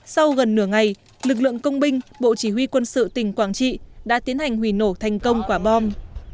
sau gần nửa ngày lực lượng công binh bộ chỉ huy quân sự tỉnh quảng trị đã tiến hành hủy nổ thành công quả bom